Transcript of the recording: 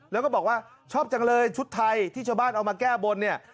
แล้วก็บอกว่าชอบจังเลยชุดไทยที่ชาวบ้านเอามาแก้บนเนี่ย